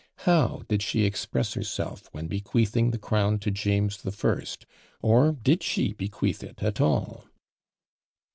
How did she express herself when bequeathing the crown to James the First, or did she bequeath it at all?